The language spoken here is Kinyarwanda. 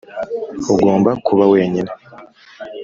ugomba kuba wenyine